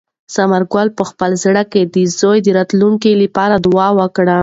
ثمر ګل په خپل زړه کې د زوی د راتلونکي لپاره دعا وکړه.